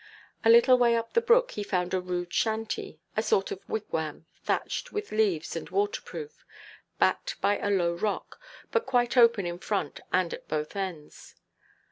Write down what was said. A little way up the brook he found a rude shanty, a sort of wigwam, thatched with leaves and waterproof, backed by a low rock, but quite open in front and at both ends.